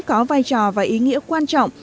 có vai trò và ý nghĩa quan trọng